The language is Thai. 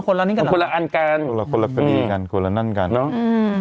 ละนี่กันคนละอันกันคนละคนละคดีกันคนละนั่นกันเนอะอืม